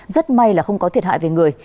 rất may là không có thiệt hại về người